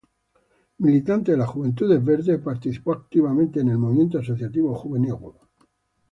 Militante de las juventudes verdes, participó activamente en el movimiento asociativo juvenil.